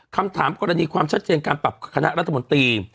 คำถามกรณีความชัดเจนการปรับคณะรัฐมนตรี